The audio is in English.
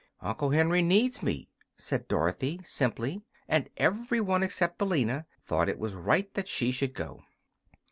"Uncle Henry needs me," said Dorothy, simply; and every one except Billina thought it was right that she should go.